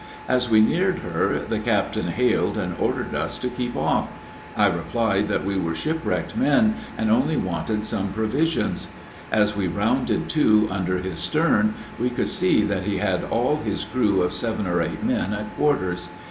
As we neared her, the captain hailed and ordered us to keep off. I replied that we were shipwrecked men, and only wanted some provisions. As we rounded to under his stern, we could see that he had all his crew of seven or eight men at quarters.